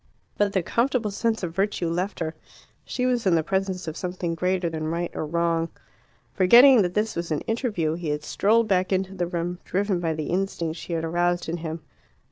But the comfortable sense of virtue left her. She was in the presence of something greater than right or wrong. Forgetting that this was an interview, he had strolled back into the room, driven by the instinct she had aroused in him.